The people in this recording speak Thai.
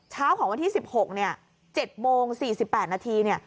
เช้าของวันที่๑๖เนี่ย๗โมง๔๘นาทีเนี่ย